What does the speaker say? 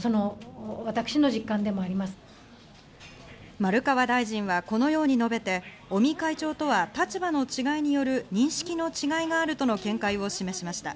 丸川大臣はこのように述べて、尾身会長とは立場の違いによる認識の違いがあるとの見解を示しました。